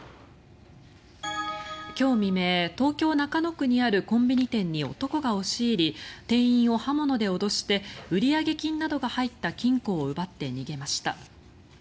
今日未明、東京・中野区にあるコンビニ店に男が押し入り店員を刃物で脅して売上金などが入った金庫を奪って逃げました。